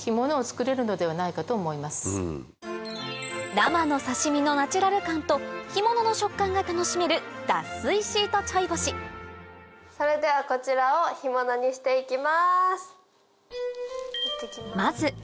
生の刺し身のナチュラル感と干物の食感が楽しめるそれではこちらを干物にして行きます！